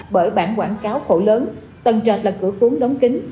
bởi bảng quảng cáo khổ lớn tần trệt là cửa cuốn đóng kín